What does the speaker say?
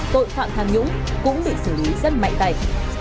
tội phạm tham nhũng cũng bị xử lý rất mạnh tay